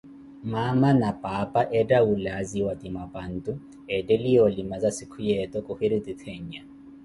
Maama na paapa etta wuulaziwa, ti amapantu, etteliye olimaza sikuya eto, kuhiruti ttheenya.